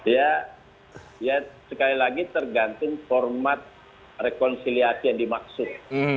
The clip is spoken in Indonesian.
ya sekali lagi tergantung format rekonsiliasi yang dimaksud